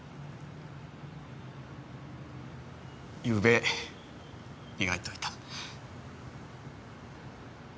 ゆうべ磨いておいた。